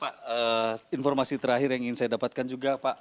pak informasi terakhir yang ingin saya dapatkan juga pak